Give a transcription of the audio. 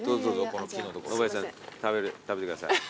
大林さん食べてください。